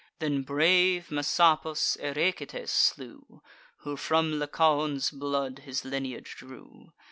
Then brave Messapus Ericetes slew, Who from Lycaon's blood his lineage drew.